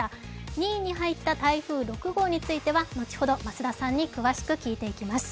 ２位に入った台風６号については後ほど増田さんに詳しく聞いていきます。